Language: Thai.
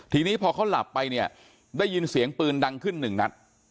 ทีนี้พอเขาหลับไปเนี่ยได้ยินเสียงปืนดังขึ้นหนึ่งนัด